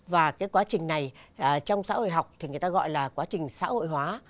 và cái quá trình này trong xã hội học thì người ta gọi là quá trình xã hội hóa